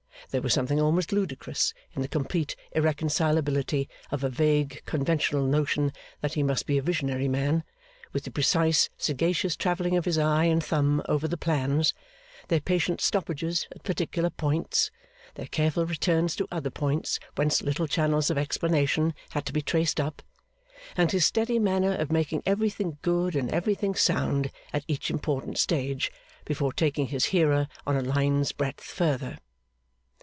There was something almost ludicrous in the complete irreconcilability of a vague conventional notion that he must be a visionary man, with the precise, sagacious travelling of his eye and thumb over the plans, their patient stoppages at particular points, their careful returns to other points whence little channels of explanation had to be traced up, and his steady manner of making everything good and everything sound at each important stage, before taking his hearer on a line's breadth further.